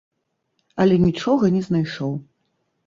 Але нічога не знайшоў.